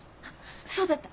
そうだった。